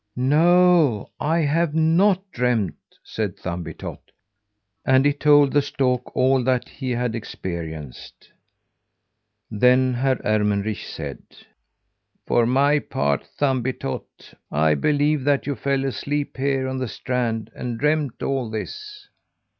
"No! I have not dreamt," said Thumbietot, and he told the stork all that he had experienced. Then Herr Ermenrich said: "For my part, Thumbietot, I believe that you fell asleep here on the strand and dreamed all this.